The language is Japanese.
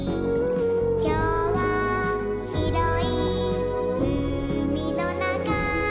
「きょうはひろいうみのなか」